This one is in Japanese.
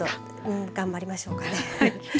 ちょっと頑張りましょうかね。